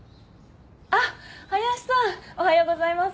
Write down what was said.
あっ林さんおはようございます。